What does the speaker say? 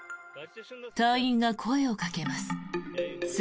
隊員が声をかけます。